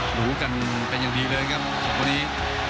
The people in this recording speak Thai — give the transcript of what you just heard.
หลูกันเป็นอย่างดีเลยครับพวกนี้